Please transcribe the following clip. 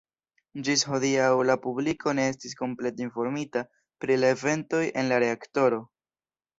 Ĝis hodiaŭ la publiko ne estis komplete informita pri la eventoj en la reaktoro.